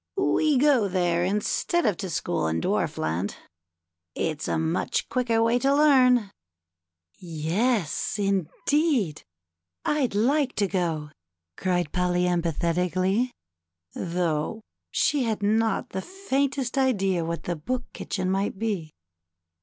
We go there instead of to school in Dwarfland ; it's a much quicker way to learn." " Yes, indeed, I'd like to go," cried Polly emphati cally, though she had not the faintest idea what the Book Kitchen might be.